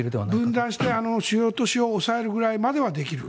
分断して、主要都市を押さえるくらいまではできる。